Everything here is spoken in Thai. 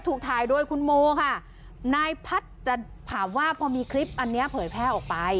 ถูกถ่ายด้วยคุณโมค่ะนายคำหาว่าพอมีคลิปอันเนี้ยเผยแพร่ออกไป